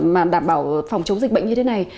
mà đảm bảo phòng chống dịch bệnh như thế này